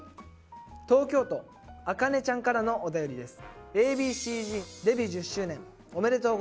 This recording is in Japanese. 東京都あかねちゃんからのお便りです。